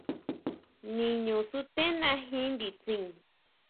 Niño suténa jin nditsin.